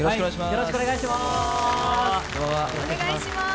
よろしくお願いします。